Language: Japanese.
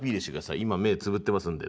今目つぶってますんで。